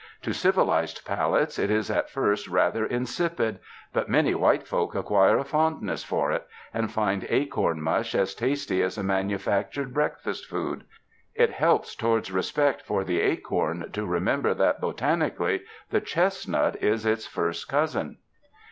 To civilized palates it is at first rather insipid; but many white folk acquire a fondness for it and find acorn mush as tasty as a manufactured breakfast food. It helps towards re spect for the acorn to remember that botanically the chestnut is its first cousin.